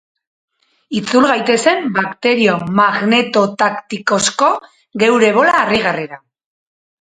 Itzul gaitezen bakterio magnetotaktikozko geure bola harrigarrira.